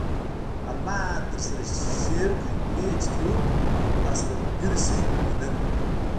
معلومات د درسره شیر کړئ پیج کې هم راسره ملګري شئ مننه